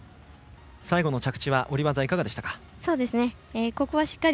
最後の着地は下り技いかがでしたか。